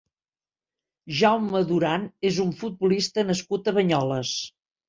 Jaume Duran és un futbolista nascut a Banyoles.